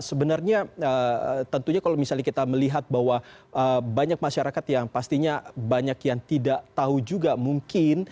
sebenarnya tentunya kalau misalnya kita melihat bahwa banyak masyarakat yang pastinya banyak yang tidak tahu juga mungkin